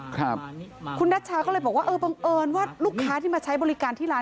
ครับคุณนัชชาก็เลยบอกว่าเออบังเอิญว่าลูกค้าที่มาใช้บริการที่ร้าน